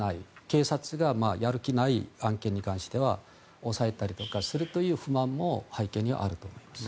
警察がやる気がない案件に関しては抑えたりとかするという不満も背景にはあると思います。